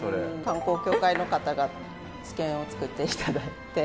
観光協会の方が試験を作って頂いて。